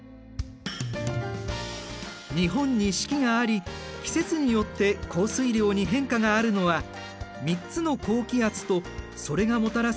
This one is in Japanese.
日本に四季があり季節によって降水量に変化があるのは３つの高気圧とそれがもたらす